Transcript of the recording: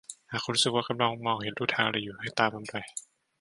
หากคุณรู้สึกว่ากำลังมองเห็นลู่ทางอะไรอยู่ให้ตามมันไป